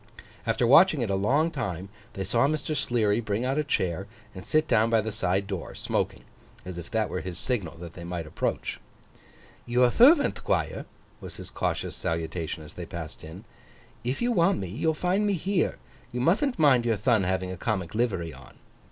After watching it a long time, they saw Mr. Sleary bring out a chair and sit down by the side door, smoking; as if that were his signal that they might approach. 'Your thervant, Thquire,' was his cautious salutation as they passed in. 'If you want me you'll find me here. You muthn't mind your thon having a comic livery on.